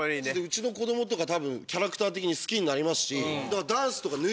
うちの子供とか多分キャラクター的に好きになりますし。